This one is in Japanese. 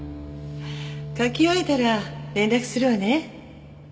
書き終えたら連絡するわね。